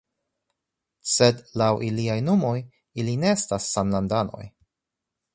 Sed laŭ iliaj nomoj ili ne estas samlandanoj!